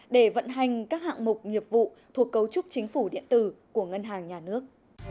để vận hành các hạng mục nghiệp vụ thuộc cấu trúc chính phủ điện tử của ngân hàng nhà nước